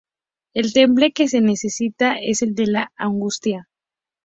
El temple que se necesita es el de la "angustia".